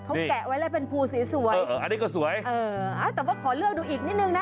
เขาแกะไว้เลยเป็นภูสวยสวยเอออันนี้ก็สวยเอออ่าแต่ว่าขอเลือกดูอีกนิดนึงนะ